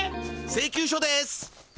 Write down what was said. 請求書です。